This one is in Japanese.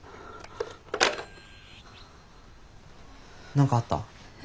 何かあった？え？